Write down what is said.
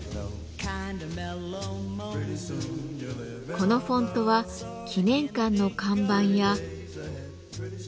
このフォントは記念館の看板や。